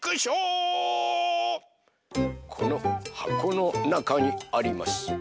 このはこのなかにあります